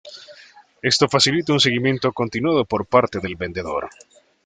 Esto facilita un seguimiento continuado por parte del vendedor.